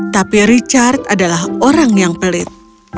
tapi richard adalah orang yang pelit